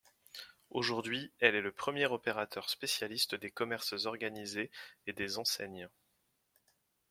Aujourd’hui, elle est le premier opérateur spécialiste des commerces organisés et des enseignes.